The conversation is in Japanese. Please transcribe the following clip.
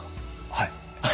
はい。